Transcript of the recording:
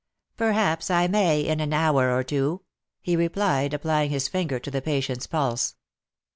" Perhaps I may, in an hour or two," he replied, applying his ringer to the patient's pulse.